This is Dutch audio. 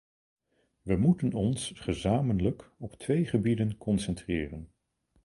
We moeten ons gezamenlijk op twee gebieden concentreren.